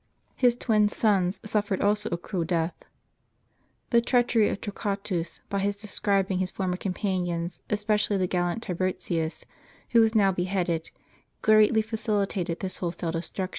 His twin sons suffered also a cruel death. The treachery of Torquatus, by his describing his former companions, espe cially the gallant Tiburtius, who was now beheaded,* greatly facilitated this wholesale destruction.